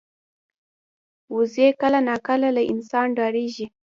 وزې کله ناکله له انسانه ډاریږي